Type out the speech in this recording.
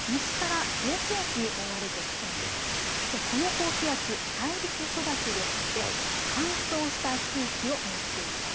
この高気圧、大陸育ちですので乾燥した空気を持っています。